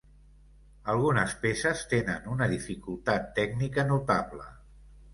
Algunes peces tenen una dificultat tècnica notable.